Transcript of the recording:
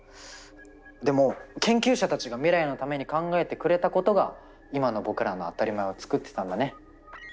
でも研究者たちが未来のために考えてくれたことが今の僕らの当たり前をつくってたんだね。